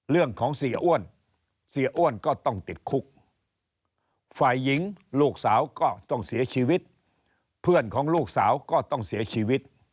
เสียอ้วนเสียอ้วนก็ต้องติดคุกฝ่ายหญิงลูกสาวก็ต้องเสียชีวิตเพื่อนของลูกสาวก็ต้องเสียชีวิต